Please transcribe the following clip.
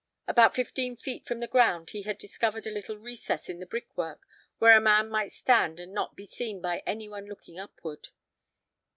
About fifteen feet from the ground he had discovered a little recess in the brickwork where a man might stand and not be seen by any one looking upward.